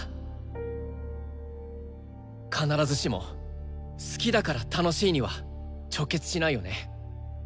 必ずしも「好きだから楽しい」には直結しないよね。